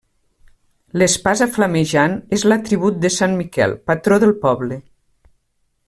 L'espasa flamejant és l'atribut de sant Miquel, patró del poble.